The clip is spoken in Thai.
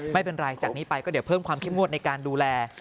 ไม่เป็นไรจากนี้ไปก็เดี๋ยวเพิ่มความเข้มงวดในการดูแล